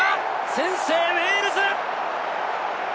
先制、ウェールズ！